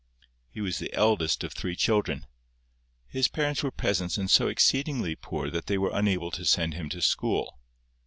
He was the eldest of three children. His parents were peasants and so exceedingly poor that they were unable to send him to school.